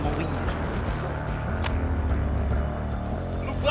jalur jalur jalur